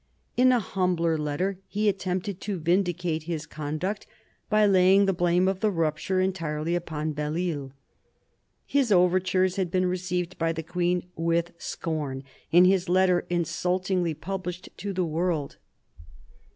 In a humble letter he attempted to vindicate his conduct by laying the blame of the rupture entirely upon Belleisle. His overtures had been received by the queen with scorn, and his letter insultingly published to the world.